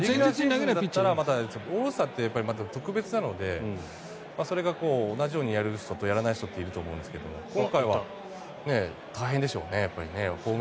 オールスターって特別なのでそれが同じようにやる人とやらない人がいると思うんですけど今回は大変でしょうね。